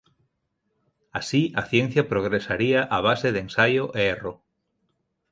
Así a ciencia progresaría a base de ensaio e erro.